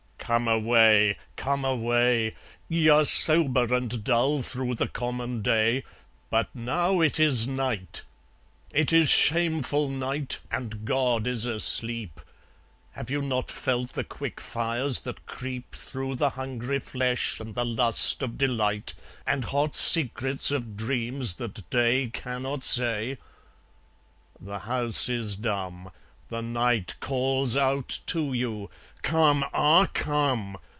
Come away! Come away! Ye are sober and dull through the common day, But now it is night! It is shameful night, and God is asleep! (Have you not felt the quick fires that creep Through the hungry flesh, and the lust of delight, And hot secrets of dreams that day cannot say?). The house is dumb; The night calls out to you. Come, ah, come!